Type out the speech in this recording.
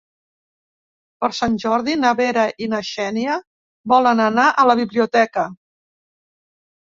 Per Sant Jordi na Vera i na Xènia volen anar a la biblioteca.